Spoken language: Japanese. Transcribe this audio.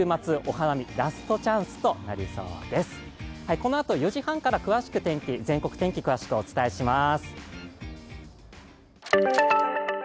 このあと４時半から全国天気、詳しくお伝えします。